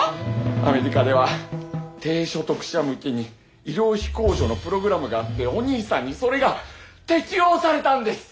アメリカでは低所得者向けに医療費控除のプログラムがあってお兄さんにそれが適用されたんです！